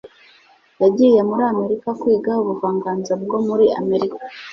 yagiye muri amerika kwiga ubuvanganzo bwo muri amerika